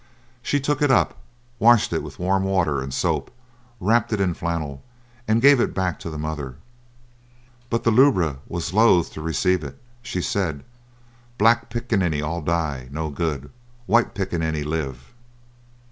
She took it up, washed it with warm water and soap, wrapped it in flannel, and gave it back to the mother. But the lubra was loath to receive it. She said, "Black picaninny all die. No good; white picaninny live."